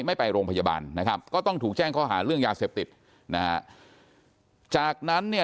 ไม่ไปโรงพยาบาลนะครับก็ต้องถูกแจ้งข้อหาเรื่องยาเสพติดนะฮะจากนั้นเนี่ย